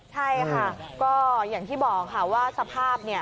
ใช่ค่ะก็อย่างที่บอกค่ะว่าสภาพเนี่ย